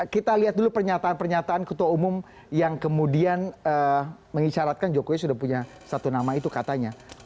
kita lihat dulu pernyataan pernyataan ketua umum yang kemudian mengisyaratkan jokowi sudah punya satu nama itu katanya